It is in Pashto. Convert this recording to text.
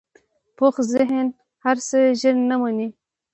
پوخ ذهن هر څه ژر نه منې